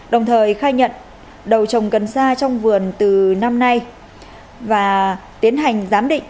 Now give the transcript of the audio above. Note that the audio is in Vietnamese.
đồng thời khai nhận đầu trồng cần sa trong vườn từ năm nay và tiến hành giám định